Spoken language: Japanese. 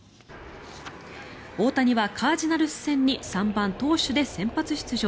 大谷はカージナルス戦に３番投手で先発出場。